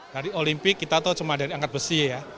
dari olimpik kita tahu cuma dari angkat besi ya